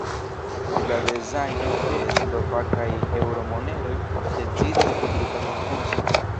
Pri la dezajno de la slovakaj eŭro-moneroj decidis publika konkurso.